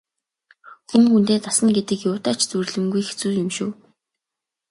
Хүн хүндээ дасна гэдэг юутай ч зүйрлэмгүй хэцүү юм шүү.